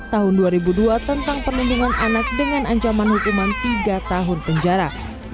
tahun dua ribu dua tentang perlindungan anak dengan ancaman hukuman tiga tahun penjara